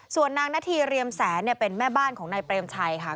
ส่วนนางนาธีเรียมแสนเป็นแม่บ้านของนายเปรมชัยค่ะ